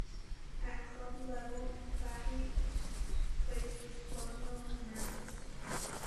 At club level Fahey plays with Clonmel Commercials.